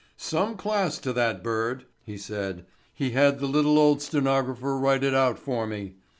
"Some class to that bird," he said. "He had the little old stenographer write it out for me.